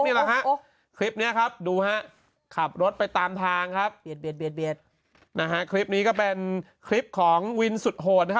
นี่แหละฮะคลิปนี้ครับดูฮะขับรถไปตามทางครับเบียดนะฮะคลิปนี้ก็เป็นคลิปของวินสุดโหดนะฮะ